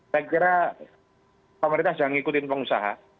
saya kira pemerintah sudah ngikutin pengusaha